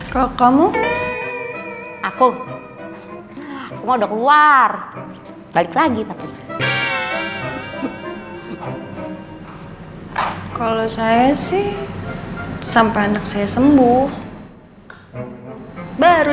kalau kamu aku mau keluar lagi kalau saya sih sampai anak saya sembuh baru